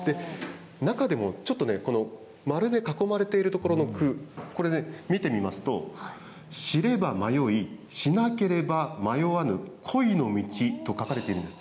中でも、ちょっとね、この丸で囲まれている所の句、これね、見てみますと、しれば迷いしなければ迷わぬ恋の道と書かれているんです。